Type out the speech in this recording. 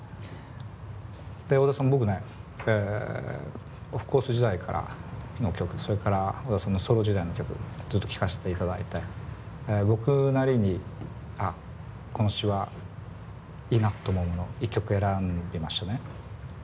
で小田さん僕ねオフコース時代からの曲それから小田さんのソロ時代の曲ずっと聴かしていただいて僕なりに「あっこの詞はいいな」と思うものを１曲選びましてね。